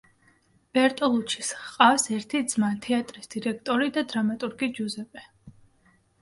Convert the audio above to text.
ბერტოლუჩის ჰყავს ერთი ძმა, თეატრის დირექტორი და დრამატურგი ჯუზეპე.